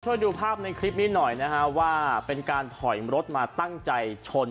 ดูภาพในคลิปนี้หน่อยนะฮะว่าเป็นการถอยรถมาตั้งใจชน